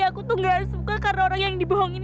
aku tuh gak suka karena orang yang dibohongin